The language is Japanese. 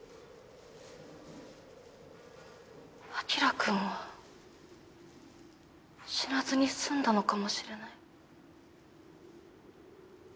晶くんは死なずに済んだのかもしれない。